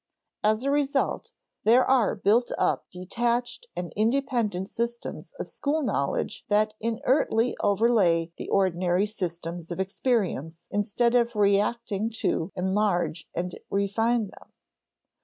As a result, there are built up detached and independent systems of school knowledge that inertly overlay the ordinary systems of experience instead of reacting to enlarge and refine them.